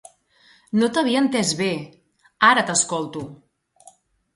No t'havia entès bé, ara t'escolto!